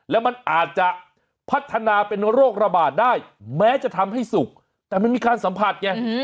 แล้วมันอาจจะพัฒนาเป็นโรคระบาดได้แม้จะทำให้สุกแต่มันมีการสัมผัสไง